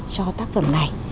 cho tác phẩm này